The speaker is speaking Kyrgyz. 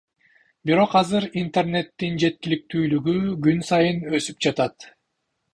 Бирок азыр интернеттин жеткиликтүүлүгү күн сайын өсүп жатат.